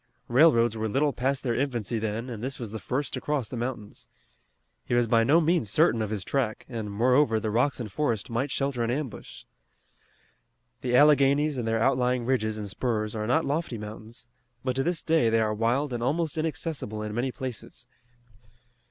Railroads were little past their infancy then and this was the first to cross the mountains. He was by no means certain of his track, and, moreover, the rocks and forest might shelter an ambush. The Alleghanies and their outlying ridges and spurs are not lofty mountains, but to this day they are wild and almost inaccessible in many places.